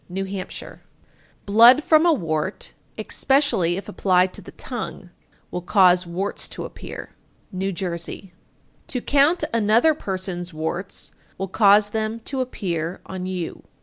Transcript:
New Hampshire. 873. Blood from a wart, especially if applied to the tongue, will cause warts to appear. New Jersey. 874. To count another person's warts will cause them to appear on you.